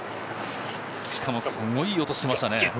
しかも、すごい落としてましたね。